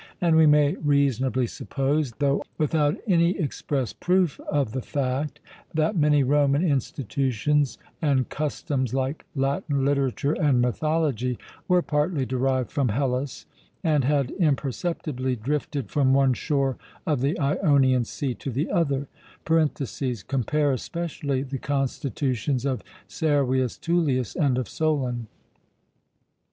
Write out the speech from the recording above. And we may reasonably suppose, though without any express proof of the fact, that many Roman institutions and customs, like Latin literature and mythology, were partly derived from Hellas and had imperceptibly drifted from one shore of the Ionian Sea to the other (compare especially the constitutions of Servius Tullius and of Solon).